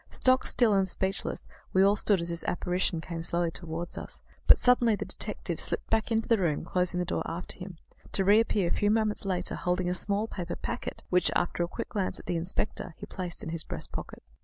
Stock still and speechless we all stood as this apparition came slowly towards us; but suddenly the detective slipped back into the room, closing the door after him, to reappear a few moments later holding a small paper packet, which, after a quick glance at the inspector, he placed in his breast pocket.